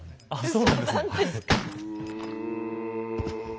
そうなんですか？